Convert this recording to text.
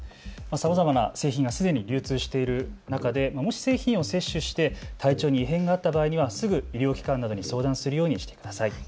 さまざまな製品がすでに流通している中でもし製品を摂取して体調に異変があった場合には、すぐ医療機関などに相談するようにしてください。